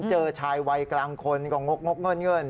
เจอชายวัยกลางคนก็งกเงิน